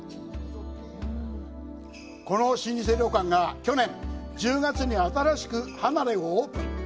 この老舗旅館が去年１０月に新しく離れをオープン。